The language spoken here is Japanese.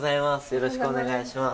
よろしくお願いします。